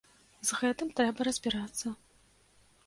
З гэтым трэба разбірацца.